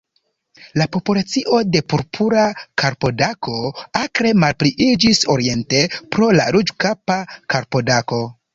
La populacio de Purpura karpodako akre malpliiĝis oriente pro la Ruĝkapa karpodako.